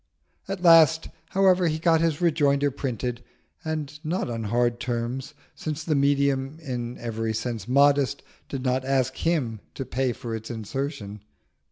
At last, however, he got his rejoinder printed, and not on hard terms, since the medium, in every sense modest, did not ask him to pay for its insertion.